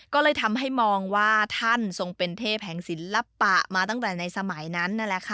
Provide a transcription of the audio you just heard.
ก็เลยทำให้มองว่าท่านทรงเป็นเทพแห่งศิลปะมาตั้งแต่ในสมัยนั้นนั่นแหละค่ะ